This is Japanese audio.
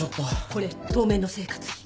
これ当面の生活費。